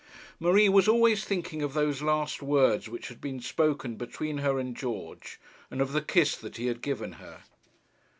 Marie was always thinking of those last words which had been spoken between her and George, and of the kiss that he had given her.